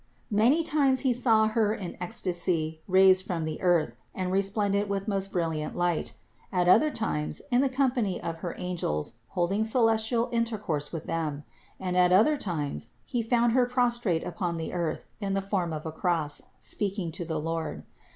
Many times he saw Her in ecstasy raised from the earth and resplendent with most brilliant light; at other times in the company of her angels holding celestial intercourse with them; and at other times, he found Her prostrate upon the earth in the form of a cross, speaking to the Lord.